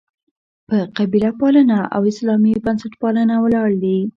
په «قبیله پالنه» او «اسلامي بنسټپالنه» ولاړ دي.